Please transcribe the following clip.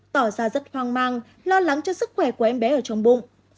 tỏ ra rất hoang mang lo lắng cho sức khỏe của em bé ở trong bụng